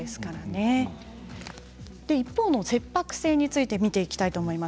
一方、切迫性について見ていきます。